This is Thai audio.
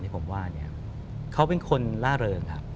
ผมว่าเขาเป็นคนล่าเริงครับ